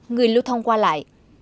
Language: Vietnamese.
người lưu thông qua lại